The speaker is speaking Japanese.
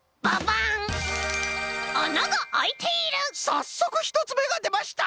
さっそくひとつめがでました！